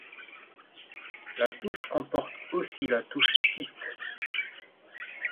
La touche comporte aussi la touche Syst.